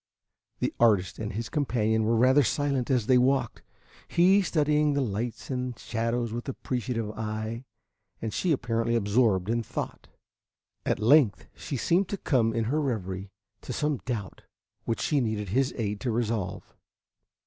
The artist and his companion were rather silent as they walked, he studying the lights and shadows with appreciative eye, and she apparently absorbed in thought. At length she seemed to come in her reverie to some doubt which she needed his aid to resolve.